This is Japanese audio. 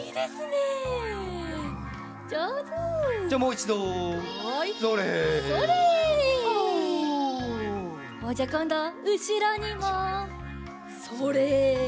じゃあこんどはうしろにも。それ！